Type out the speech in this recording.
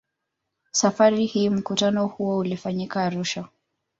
Safari hii mkutano huo ulifanyika Arusha.